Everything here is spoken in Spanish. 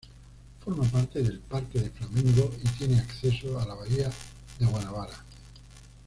Forma parte del parque de Flamengo y tiene acceso a la bahía de Guanabara.